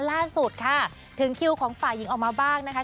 ล่าสุดค่ะถึงคิวของฝ่ายหญิงออกมาบ้างนะคะ